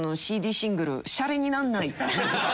シングル『シャレになんない』。